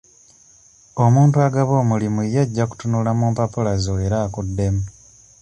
Omuntu agaba omulimu ye ajja kutunula mu mpapula zo era akuddemu.